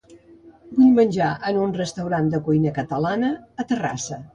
Vull menjar en un restaurant de cuina catalana a Terrassa.